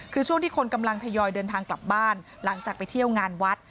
คือช่วงที่คนกำลังทยอยเดินทางกลับบ้านหลังจากไปเที่ยวงานวัด